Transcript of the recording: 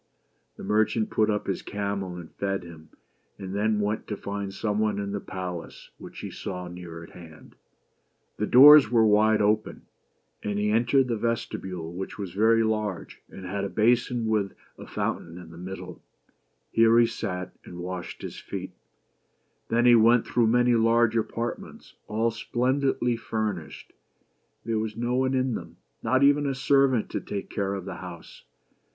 The merchant put up his camel, and fed him ; and then went to find some one in the palace which he saw near at hand. 91 BEAUTY AND THE BEAST. THE MERCHANT APPROACHES THE PALACE. The doors were wide open, and he entered the vestibule, which was very large, and had a basin with a fountain in the middle ; here he sat and washed his feet. Then he went through many large apartments, all splendidly furnished. There was no one in them ; not even a servant to take care of the house.